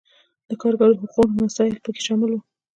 د کارګرو حقونو مسایل پکې شامل وو.